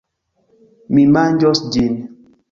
Mi manĝos ĝin.